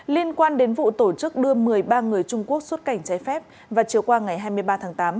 liên quan đến vụ tổ chức đưa một mươi ba người trung quốc xuất cảnh trái phép vào chiều qua ngày hai mươi ba tháng tám